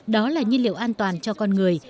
đó là nhân liệu an toàn cho con người